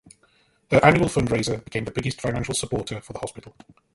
Her annual fundraiser "became the biggest financial supporter for the hospital".